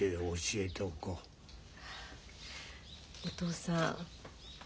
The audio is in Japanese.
お義父さん